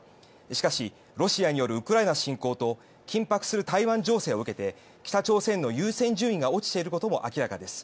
しかし、ロシアによるウクライナ侵攻と緊迫する台湾情勢を受けて北朝鮮の優先順位が落ちていることも明らかです。